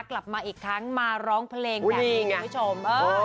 กลับมาอีกครั้งมาร้องเพลงแบบนี้คุณผู้ชม